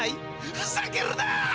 ふざけるな！